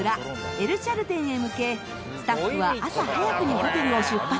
エル・チャルテンへ向けスタッフは朝早くにホテルを出発。